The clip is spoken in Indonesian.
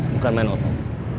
bukan main otak